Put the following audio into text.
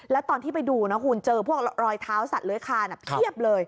แล้วตอนที่ไปดูนะคุณเจอพวกรอยเท้าสัตว์เลื้อยคานเพียบเลย